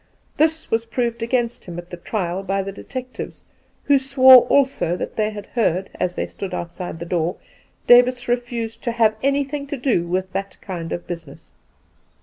This was proved against him at the trial by the detectives, who swore also that they had heard, as they stood outside the door, Davis refuse to " have anything to do with that kind of business."